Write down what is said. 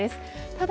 ただ